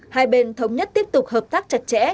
hai bên thống nhất tiếp tục hợp tác chặt chẽ